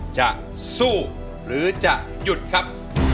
จะสู้หรือจะหยุดครับ